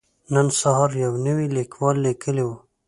نن سهار يو نوي ليکوال ليکلي وو.